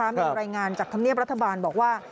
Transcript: มีรายงานจากธรรมเนียบรัฐบาลบอกว่า